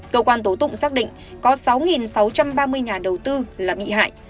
cơ quan tố tụng xác định có sáu sáu trăm ba mươi nhà đầu tư là bị hại